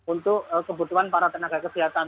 untuk kebutuhan para tenaga kesehatan